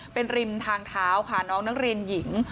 เป็นริมทางเท้าค่ะน้องนักเรียนหญิง